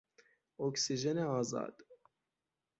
اکسیژن آزاد